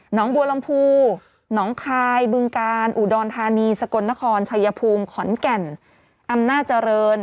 งบัวลำพูหนองคายบึงกาลอุดรธานีสกลนครชัยภูมิขอนแก่นอำนาจเจริญ